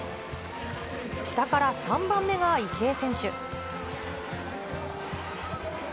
下から３番目が池江選手。